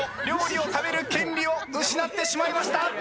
料理を食べる権利を失ってしまいました。